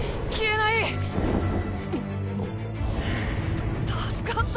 た助かった。